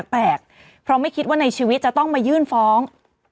แปลกเพราะไม่คิดว่าในชีวิตจะต้องมายื่นฟ้อง